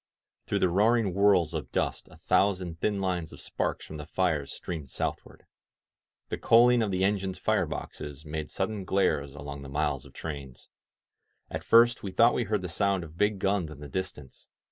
Through the roaring whirls of dust a thousand thin lines of sparks from the fires streamed southward. The coaling of the engines' fire boxes made sudden glares along the miles of trains. At first we thought we heard the sound of big guns in the distance.